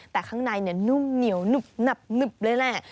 แต่ข้างในนุ่มเหนียวหนึบหนับเลยแหละ